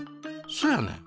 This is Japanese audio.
そやねん。